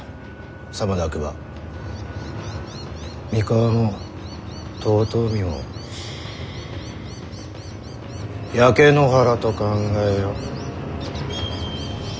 さもなくば三河も遠江も焼け野原と考えよ。